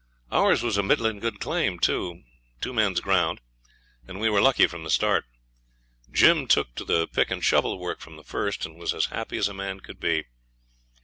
Ours was a middling good claim, too; two men's ground; and we were lucky from the start. Jim took to the pick and shovel work from the first, and was as happy as a man could be.